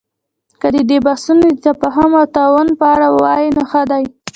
که د دوی بحثونه د تفاهم او تعاون په اړه وي، نو ښه دي